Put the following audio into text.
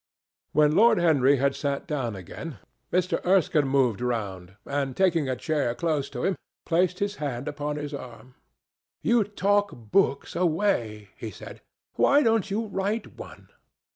When Lord Henry had sat down again, Mr. Erskine moved round, and taking a chair close to him, placed his hand upon his arm. "You talk books away," he said; "why don't you write one?"